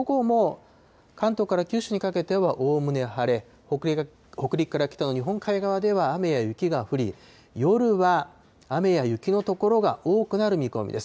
そして午後も、関東から九州にかけてはおおむね晴れ、北陸から北の日本海側では雨や雪が降り、夜は雨や雪の所が多くなる見込みです。